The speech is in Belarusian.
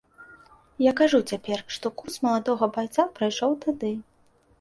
Я кажу цяпер, што курс маладога байца прайшоў тады.